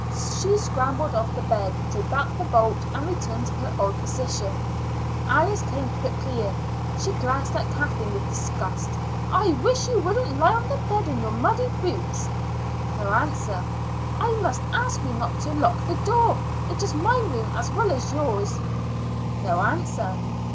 She scrambled off the bed, drew back the bolt, and returned to her old position. Alice came quickly in. She glanced at Kathleen with disgust. "I wish you wouldn't lie on the bed in your muddy boots." No answer. "I must ask you not to lock the door. It is my room as well as yours." No answer.